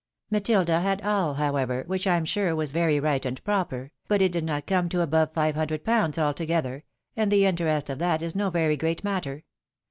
Matilda had all, however, which I am sure was very right and proper ; but it did not come to above five hundred pounds altogether, and the interest of that is no very great matter.